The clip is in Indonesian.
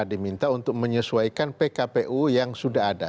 diminta untuk menyesuaikan pkpu yang sudah ada